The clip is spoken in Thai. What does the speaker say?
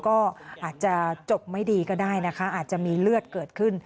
ก็อาจจะจบไม่ดีก็ได้นะคะอาจจะมีเลือดเกิดขึ้น